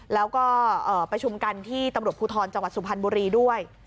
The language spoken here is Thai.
แล้วก็ประชุมกันที่ตำรวจภูทรจังหวัดสุพรรณบุรีด้วย